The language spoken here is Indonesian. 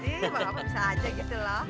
iya kalau apa bisa aja gitu loh